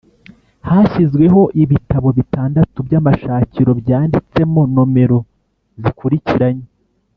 Hashyizweho "ibitabo bitandatu" by'amashakiro byanditsemo nomero zikurikiranye